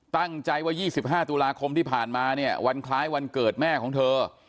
ตั้งใจว่า๒๕ตุลาคมที่ผ่านมาเนี่ยวันคล้ายวันเกิดแม่ของเธอ